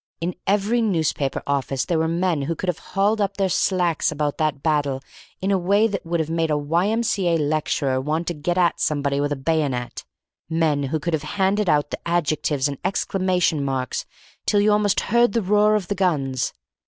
In every newspaper office there were men who could have hauled up their slacks about that battle in a way that would have made a Y.M.C.A. lecturer want to get at somebody with a bayonet; men who could have handed out the adjectives and exclamation marks till you almost heard the roar of the guns.